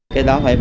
cái đó phải bỏ